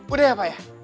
udah ya pak ya